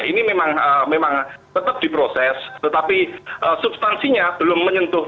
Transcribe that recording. ini memang tetap diproses tetapi substansinya belum menyentuh